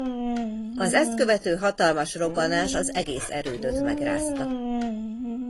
Az ezt követő hatalmas robbanás az egész erődöt megrázta.